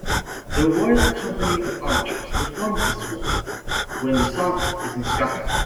The Royal Company of Archers performs this role when the Sovereign is in Scotland.